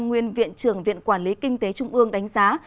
nguyên viện trưởng viện quản lý kinh tế trung ương đánh giá